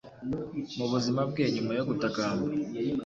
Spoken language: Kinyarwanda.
mu buzima bwe. Nyuma yo gutakamba,